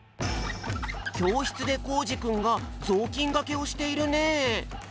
きょうしつでコージくんがぞうきんがけをしているね。